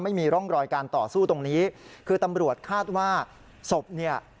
ไม่มีร่องรอยการต่อสู้ตรงนี้คือตำรวจคาดว่าศพเนี่ย